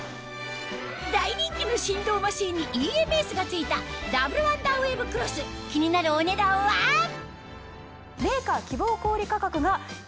大人気の振動マシンにＥＭＳが付いたダブルワンダーウェーブクロス気になるお値段は？え！